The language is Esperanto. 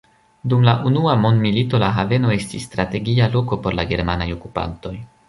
Dum la Unua Mondmilito la haveno estis strategia loko por la germanaj okupantoj.